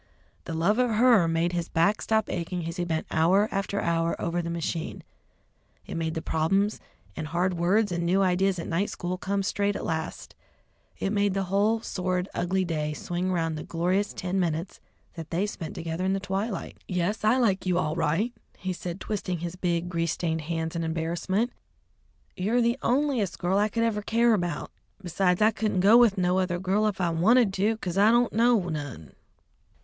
The love of her made his back stop aching as he bent hour after hour over the machine; it made all the problems and hard words and new ideas at night school come straight at last; it made the whole sordid, ugly day swing round the glorious ten minutes that they spent together in the twilight. "Yes, I like you all right," he said, twisting his big, grease stained hands in embarrassment. "You're the onliest girl I ever could care about. Besides, I couldn't go with no other girl if I wanted to, 'cause I don't know none."